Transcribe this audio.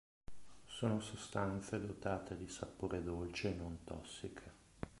Sono sostanze dotate di sapore dolce e non tossiche.